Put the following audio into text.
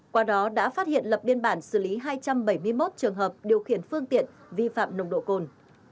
qua đó đã phát hiện lập biên bản xử lý hai trăm bảy mươi một trường hợp điều khiển phương tiện vi phạm nồng độ cồn